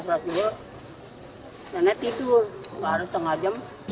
saya tidur baru setengah jam